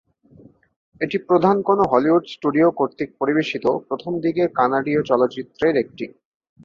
এটি প্রধান কোন হলিউড স্টুডিও কর্তৃক পরিবেশিত প্রথমদিকের কানাডীয় চলচ্চিত্রের একটি।